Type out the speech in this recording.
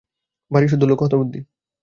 বাড়িসুদ্ধ লোক হতবুদ্ধি।